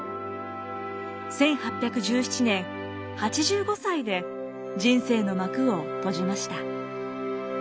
１８１７年８５歳で人生の幕を閉じました。